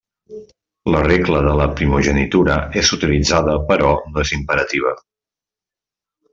La regla de la primogenitura és utilitzada però no és imperativa.